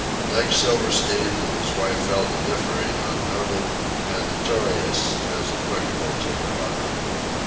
Next, Silverstein and his wife fell to differing on "noted" and "notorious" as applicable to her lover.